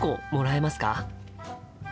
え？